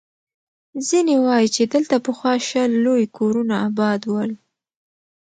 ځيني وایي، چې دلته پخوا شل لوی کورونه اباد ول.